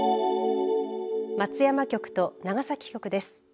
松山局と長崎局です。